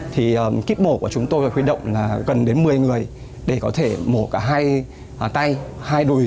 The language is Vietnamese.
thì kíp mổ của chúng tôi khuyên động là gần đến một mươi người để có thể mổ cả hai tay hai đùi